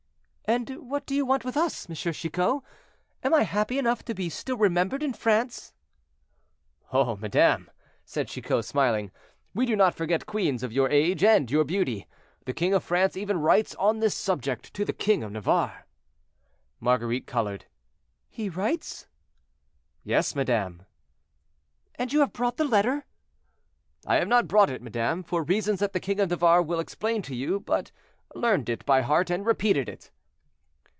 "And what do you want with us, M. Chicot? Am I happy enough to be still remembered in France?" "Oh, madame," said Chicot, smiling, "we do not forget queens of your age and your beauty. The king of France even writes on this subject to the king of Navarre." Marguerite colored. "He writes?" "Yes, madame." "And you have brought the letter?" "I have not brought it, madame, for reasons that the king of Navarre will explain to you, but learned it by heart and repeated it."